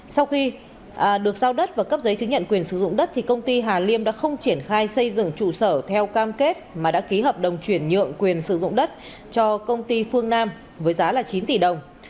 sau khi được giao đất và cấp giấy chứng nhận quyền sử dụng đất công ty hà liêm đã không triển khai xây dựng trụ sở theo cam kết mà đã ký hợp đồng chuyển nhượng quyền sử dụng đất cho công ty phương nam với giá chín tỷ đồng